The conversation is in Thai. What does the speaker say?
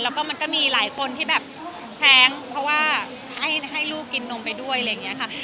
แล้วก็มันก็มีหลายคนที่แบบแท้งเพราะว่าให้ลูกกินนมไปด้วยอะไรอย่างนี้ค่ะ